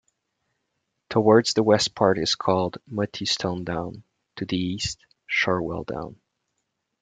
Towards the west part is called Mottistone Down, to the East, Shorwell Down.